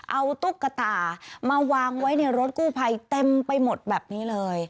เอาตุ๊กตามาวางไว้ในรถกู้ภัยเต็มไปหมดแบบนี้เลย